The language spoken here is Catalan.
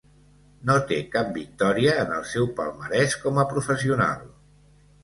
No té cap victòria en el seu palmarès com a professional.